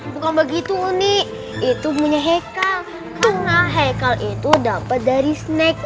bukan begitu uni itu punya heikal karena heikal itu dapat dari snack